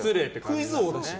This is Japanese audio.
クイズ王だし。